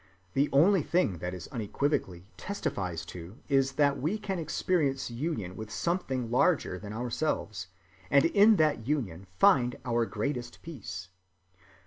The only thing that it unequivocally testifies to is that we can experience union with something larger than ourselves and in that union find our greatest peace.